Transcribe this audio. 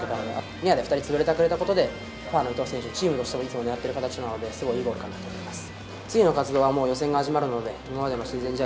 ニアで２人潰れてくれたことで伊東選手はチームとして狙っている形なのでいいゴールだったと思います。